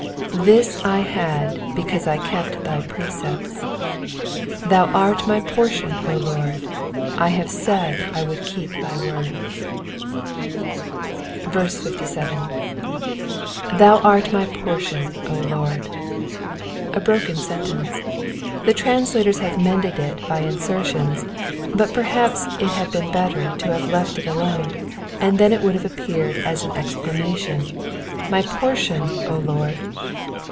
This I had because I kept thy precepts. Thou art my portion, O Lord : I have said that I would keep thy words. 57. rAcm art my portion^ Lord.'* A broken sentence. The translators have mended it by insertions, but perhaps it had been better to have left it alone, and then it would have appeared as an exclamation, —My portion, O Lord